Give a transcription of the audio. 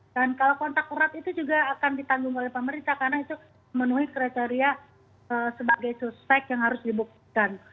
dan kalau kontak erat itu juga akan ditanggung oleh pemerintah karena itu memenuhi kriteria sebagai suspek yang harus dibuktikan